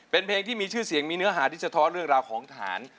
เป็นเพลงที่มีชื่อเสียงมีเนื้อหาที่สะท้อนเรื่องราวของทหาร